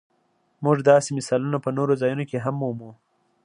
موږ داسې مثالونه په نورو ځایونو کې هم مومو.